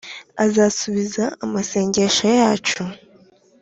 azasubiza amasengesho yacu.